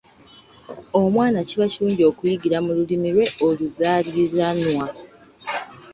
Omwana kiba kirungi okuyigira mu Lulimi lwe oluzaaliranwa.